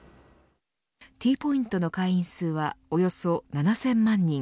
Ｔポイントの会員数はおよそ７０００万人